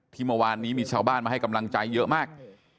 เมื่อวานนี้มีชาวบ้านมาให้กำลังใจเยอะมาก